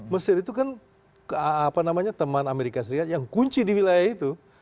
mesir itu kan teman amerika serikat yang kunci di wilayah itu